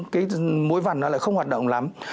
cái mũi vằn nó lại không hoạt động lắm